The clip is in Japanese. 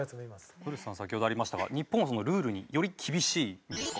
古田さん先ほどありましたが日本はそのルールにより厳しいんですか？